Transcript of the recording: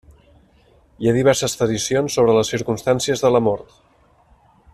Hi ha diverses tradicions sobre les circumstàncies de la mort.